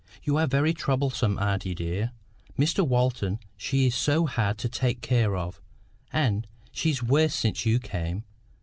"You are very troublesome, auntie dear. Mr Walton, she is so hard to take care of! and she's worse since you came.